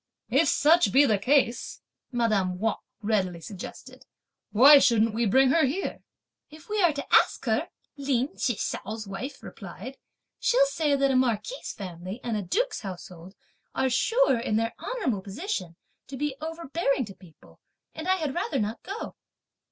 "If such be the case," madame Wang readily suggested, "why shouldn't we bring her here?" "If we are to ask her," Lin Chih hsiao's wife replied, "she'll say that a marquis' family and a duke's household are sure, in their honourable position, to be overbearing to people; and I had rather not go."